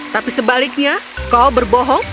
tapi sebaliknya kau berbohong